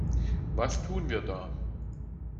Was tun wir da?